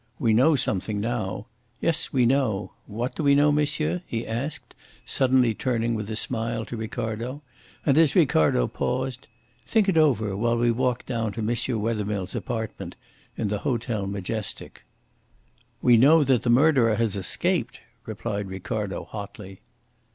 We know something now. Yes, we know what do we know, monsieur?" he asked, suddenly turning with a smile to Ricardo, and, as Ricardo paused: "Think it over while we walk down to M. Wethermill's apartment in the Hotel Majestic." "We know that the murderer has escaped," replied Ricardo hotly.